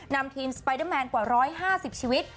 นำทีมสไปเดอร์แมนกว่า๑๕๐ชีวิต